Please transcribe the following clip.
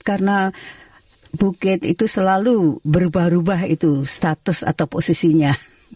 karena bu gat itu selalu berubah ubah itu status atau posisinya